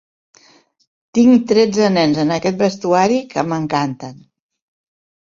Tinc tretze nens en aquest vestuari, que m'encanten.